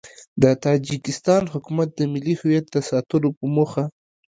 د تاجیکستان حکومت د ملي هویت د ساتلو په موخه